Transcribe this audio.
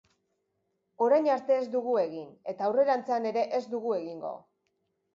Orain arte ez dugu egin eta aurrerantzean ere ez dugu egingo.